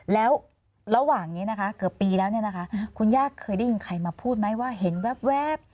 แล้วระหว่างนี้นะคะเกือบปีแล้วเนี่ยนะคะคุณย่าเคยได้ยินใครมาพูดไหมว่าเห็นแว๊บ